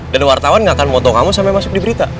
dan wartawan gak akan mau tau kamu sampe masuk di berita